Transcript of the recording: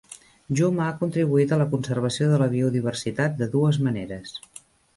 Juma ha contribuït a la conservació de la biodiversitat de dues maneres.